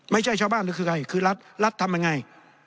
ไม่ใช่ชาวบ้านหรือคือใครคือรัฐรัฐทำยังไง